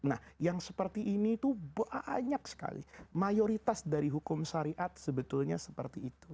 nah yang seperti ini itu banyak sekali mayoritas dari hukum syariat sebetulnya seperti itu